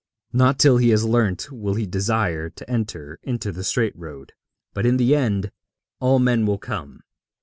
Not till he has learnt will he desire to enter into the straight road. But in the end all men will come.